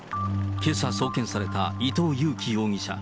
けさ送検された伊藤裕樹容疑者。